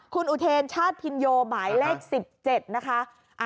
คุณอุเทรชาติพินโยหมายเลข๑๗นะคะ